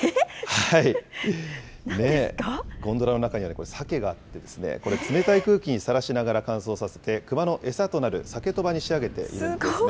ゴンドラの中にはサケがあって、これ、冷たい空気にさらしながら乾燥させて、クマの餌となるサケトバに仕上げているんですね。